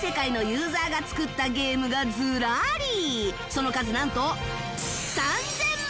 その数なんと